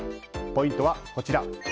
ポイントはこちら。